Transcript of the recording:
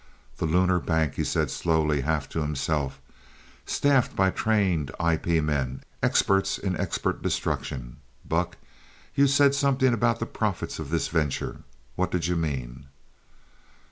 "The Lunar Bank," he said slowly, half to himself. "Staffed by trained IP men, experts in expert destruction. Buck, you said something about the profits of this venture. What did you mean?"